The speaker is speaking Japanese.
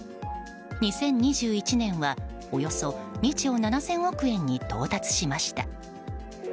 ２０２１年はおよそ２兆７０００億円に到達しました。